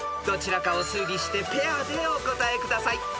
［どちらかを推理してペアでお答えください］